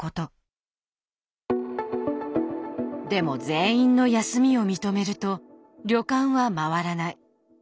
でも全員の休みを認めると旅館は回らない。